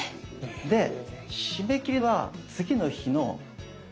⁉で締め切りは次の日の１２時。